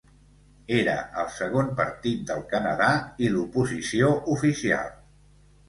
Era el segon partit del Canadà i l’oposició oficial.